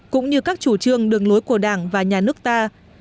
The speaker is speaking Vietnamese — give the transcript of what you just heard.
cũng như các chủ trương đường lối của đảng và nhà nước ta